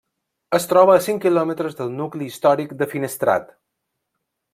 Es troba a cinc quilòmetres del nucli històric de Finestrat.